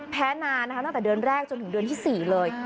แพ้นานนะคะตั้งแต่เดือนแรกจนถึงเดือนที่๔เลย